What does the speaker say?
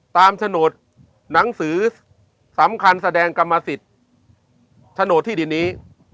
โฉนดหนังสือสำคัญแสดงกรรมสิทธิ์โฉนดที่ดินนี้